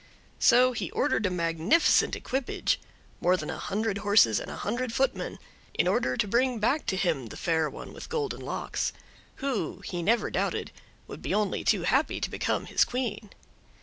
So he ordered a magnificent equipage—more than a hundred horses and a hundred footmen—in order to bring back to him the Fair One with Golden Locks, who, he never doubted, would be only too happy to become his Queen.